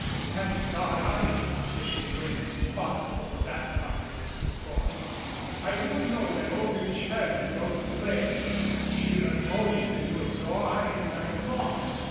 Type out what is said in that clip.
Thank God, I'm not in any way responsible for that part of this misfortune. I only know that Olga Tcherny wrote the play. As to her mo tives in doing so I am at a loss.